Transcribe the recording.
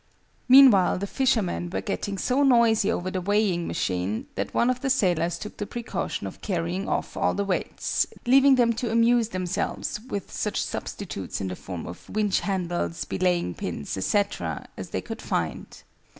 Meanwhile the fishermen were getting so noisy over the weighing machine that one of the sailors took the precaution of carrying off all the weights, leaving them to amuse themselves with such substitutes in the form of winch handles, belaying pins, &c., as they could find.